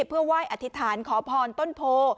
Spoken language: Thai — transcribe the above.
เพื่อไหว้อธิษฐานขอพรต้นโพ